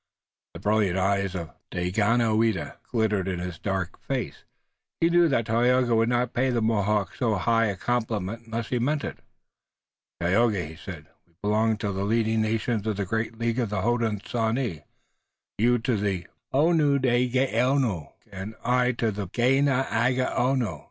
The brilliant eyes of Daganoweda glittered in his dark face. He knew that Tayoga would not pay the Mohawks so high a compliment unless he meant it. "Tayoga," he said, "we belong to the leading nations of the great League of the Hodenosaunee, you to the Onundahgaono and I to the Ganeagaono.